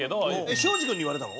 庄司君に言われたの？